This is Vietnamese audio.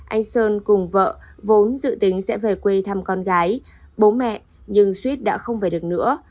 anh sơn cùng vợ vốn dự tính sẽ về quê thăm con gái bố mẹ nhưng suýt đã không về được nữa